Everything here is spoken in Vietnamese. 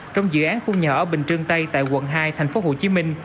trong dự án khu nhà ở bình trưng tây tại quận hai tp hcm